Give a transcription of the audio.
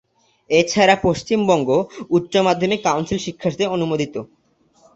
এছাড়া পশ্চিমবঙ্গ উচ্চ মাধ্যমিক কাউন্সিল শিক্ষার সাথে অনুমোদিত।